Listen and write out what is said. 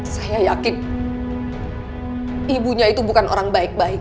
saya yakin ibunya itu bukan orang baik baik